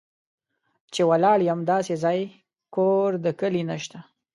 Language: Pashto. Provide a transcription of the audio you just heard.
چې ولاړ یم داسې ځای، کور د کلي نه شته